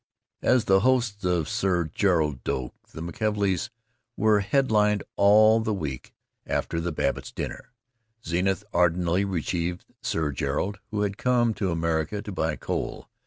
As the hosts of Sir Gerald Doak, the McKelveys were headlined all the week after the Babbitts' dinner. Zenith ardently received Sir Gerald (who had come to America to buy coal).